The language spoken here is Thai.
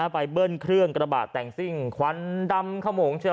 ไปเบิ้ลเครื่องกระบาดแต่งสิ้งควันดำขมง